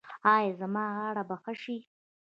ایا زما غاړه به ښه شي؟